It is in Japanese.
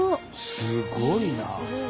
すごいなあ！